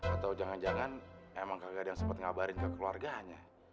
atau jangan jangan emang kagak ada yang sempet ngabarin ke keluarganya